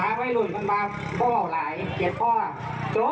พ่อเราหลายเกลียดพ่อจบ